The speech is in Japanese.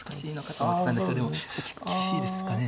でも厳しいですかね